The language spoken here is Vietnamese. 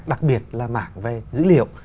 đặc biệt là mảng về dữ liệu